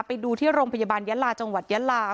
ไปดูที่โรงพยาบาลยะลาจังหวัดยะลา